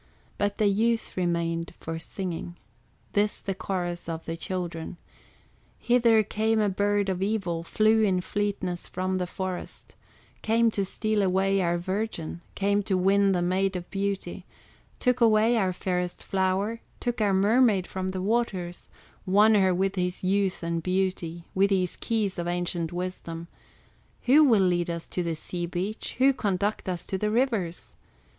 But the youth remained for singing, This the chorus of the children: "Hither came a bird of evil, Flew in fleetness from the forest, Came to steal away our virgin, Came to win the Maid of Beauty; Took away our fairest flower, Took our mermaid from the waters, Won her with his youth and beauty, With his keys of ancient wisdom. Who will lead us to the sea beach, Who conduct us to the rivers?